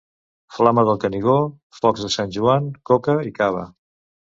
Flama del Canigó, focs de Sant Joan, coca i cava.